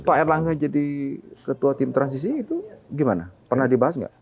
pak erlangga jadi ketua tim transisi itu gimana pernah dibahas nggak